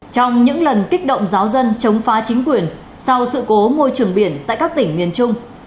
trong những lần kích động giáo dân chống phá chính quyền sau sự cố môi trường biển tại các tỉnh miền trung